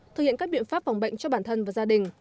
thực hiện các biện pháp phòng bệnh cho bản thân và gia đình